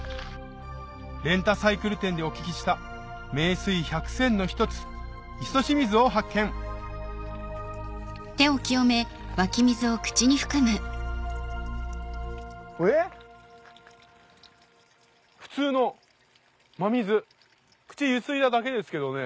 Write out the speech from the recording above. レンタサイクル店でお聞きした名水百選の一つ磯清水を発見口ゆすいだだけですけどね